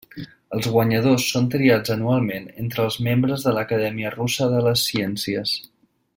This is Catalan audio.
Els guanyadors són triats anualment entre els membres de l'Acadèmia Russa de les Ciències.